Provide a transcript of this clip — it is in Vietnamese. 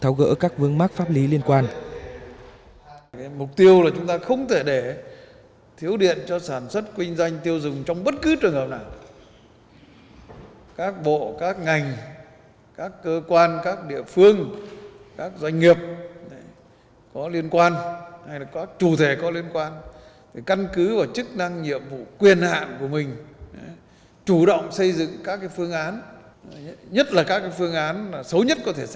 tháo gỡ các vương mắc pháp lý liên quan